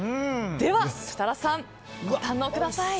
では設楽さん、ご堪能ください。